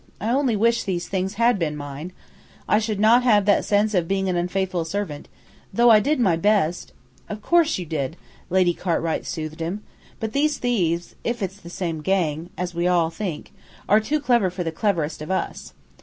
I only wish these things had been mine. I should not have that sense of being an unfaithful servant though I did my best " "Of course you did," Lady Cartwright soothed him. "But these thieves if it's the same gang, as we all think are too clever for the cleverest of us.